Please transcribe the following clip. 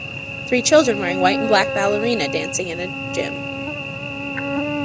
Three children wearing white and black ballerina dancing in a gym